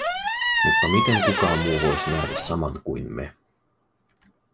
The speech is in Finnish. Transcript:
Mutta miten kukaan muu voisi nähdä saman kuin me?